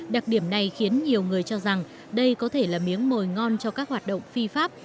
đặc điểm này khiến nhiều người cho rằng đây có thể là miếng mồi ngon cho các hoạt động phi pháp